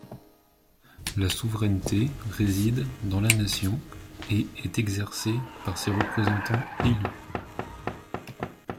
La souveraineté réside dans la nation et est exercée par ses représentants élus.